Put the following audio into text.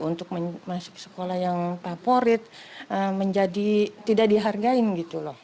untuk masuk sekolah yang favorit menjadi tidak dihargain gitu loh